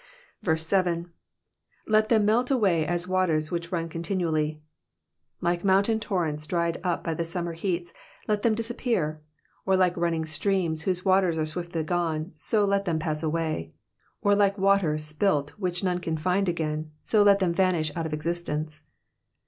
7. ^^Let them melt away as waters which run continually.'*'' Like mountain torrents dried up by the summer heats let them disappear ; or like running streams whose waters are swiftly gone, so let them pass away ; or like water spilt which none can find again, so let them vanish out of existence.